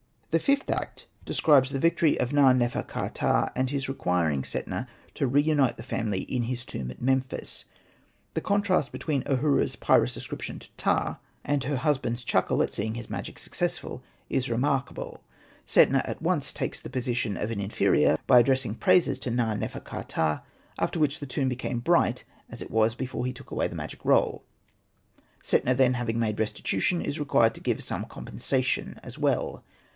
The fifth act describes the victory of Na. nefer.ka.ptah, and his requiring Setna to reunite the family in his tomb at Memphis. The contrast between Ahura's pious ascrip tion to Ptah, and her husband's chuckle at Hosted by Google REMARKS 139 seeing his magic successful, is remarkable. Setna at once takes the position of an inferior by addressing praises to Na.nefer. ka.ptah : after which the tomb became bright as it was before he took away the magic roll. Setna then having made restitution, is required to give some compensation as well.